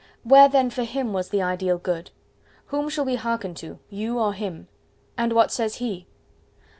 Where then for him was the ideal Good? Whom shall we hearken to, you or him? And what says he?